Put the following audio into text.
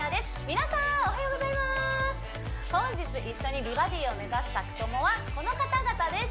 皆さんおはようございます本日一緒に美バディを目指す宅トモはこの方々です